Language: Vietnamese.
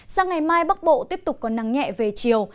sang ngày mai bắc bộ tiếp tục có nắng nhẹ về chiều